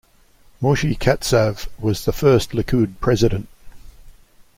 Moshe Katsav was the first Likud president.